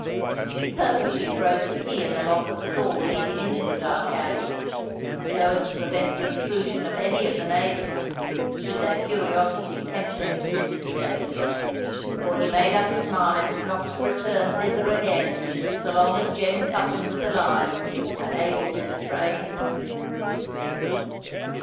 He purposely broke a key in the lock of the door leading into the dark alley, so as to prevent the intrusion of any of the neighbours, should their curiosity tempt them to visit the place; for he made up his mind not to return thither again so long as Jem Cuffin was alive and able to betray him.